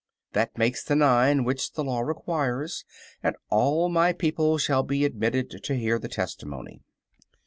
That makes the nine which the law requires, and all my people shall be admitted to hear the testimony."